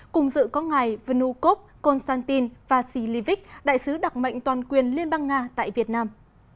cùng dự có ngài vnukov konstantin vasilivik đại sứ đặc mệnh toàn quyền liên bang nga tại việt nam